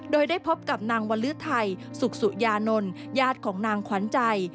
โดยได้พบกับนางวลื้อไทยสุขสุยานนท์ญาติของนางขวัญใจ